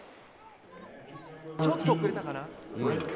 ちょっと遅れたかな？